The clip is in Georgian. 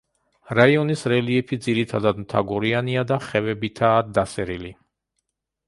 რაიონის რელიეფი ძირითადად მთაგორიანია და ხევებითაა დასერილი.